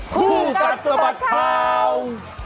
คู่กัดสะบัดข่าว